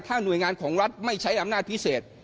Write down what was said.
หน่วยงานของรัฐไม่ใช้อำนาจพิเศษ